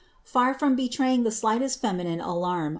Far from betraying the slightest feminine alarm.